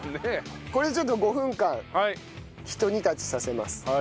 これでちょっと５分間ひと煮立ちさせます。